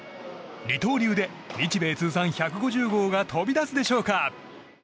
二刀流で日米通算１５０号が飛び出すでしょうか。